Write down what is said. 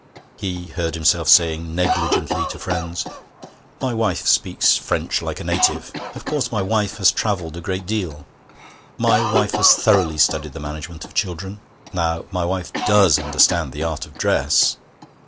He heard himself saying negligently to friends: 'My wife speaks French like a native. Of course, my wife has travelled a great deal. My wife has thoroughly studied the management of children. Now, my wife does understand the art of dress.